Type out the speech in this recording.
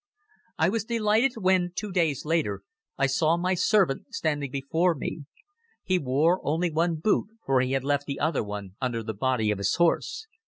I was delighted when, two days later, I saw my servant standing before me. He wore only one boot for he had left the other one under the body of his horse.